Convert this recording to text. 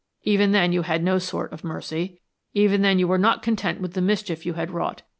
Even then you had no sort of mercy, even then you were not content with the mischief you had wrought.